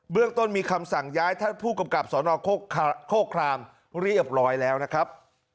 เบื้องต้นมีคำสั่งย้ายท่านผู้กำกับสอนออกโครคคลามพรุ่งนี้อับร้อยแล้วนะครับ